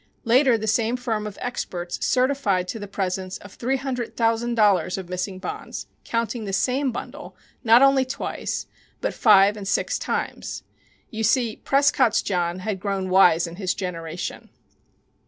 Later the same firm of "experts" certified to the presence of three hundred thousand dollars of missing bonds, counting the same bundle, not only twice, but five and six times! You see, Prescott's John had grown wise in his generation.